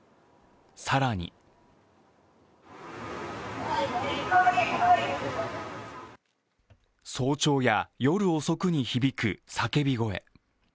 更に早朝や夜遅くに響く叫び声。